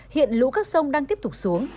hiện lũ các sông đang tiếp tục xuống